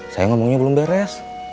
saya ngomongnya belum beres